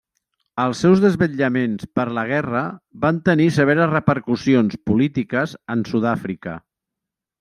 Els seus desvetllaments per la guerra van tenir severes repercussions polítiques en Sud-àfrica.